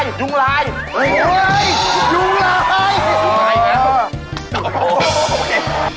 ยุงลายยุงลายยุงลาย